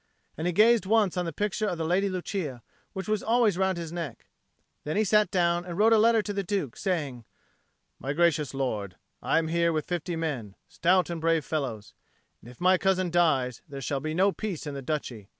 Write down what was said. And he gazed once on the picture of the Lady Lucia which was always round his neck. Then he sat down and wrote a letter to the Duke, saying, "My gracious lord, I am here with fifty men, stout and brave fellows; and if my cousin dies, there shall be no peace in the Duchy.